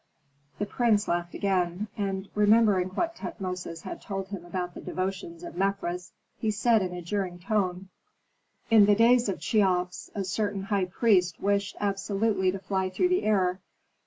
The prince laughed again, and, remembering what Tutmosis had told him about the devotions of Mefres, he said in a jeering tone, "In the days of Cheops a certain high priest wished absolutely to fly through the air.